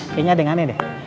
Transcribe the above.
kayaknya ada yang aneh deh